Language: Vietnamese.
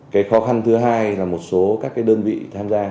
cái khó khăn thứ hai là một số các đơn vị tham gia